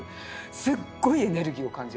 すっごいエネルギーを感じる。